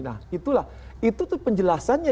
nah itulah itu tuh penjelasannya